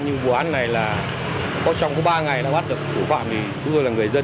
nhưng vụ án này là có trong có ba ngày đã bắt được phụ phạm thì chúng tôi là người dân